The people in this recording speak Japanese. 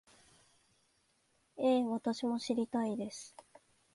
ええ、私も知りたいです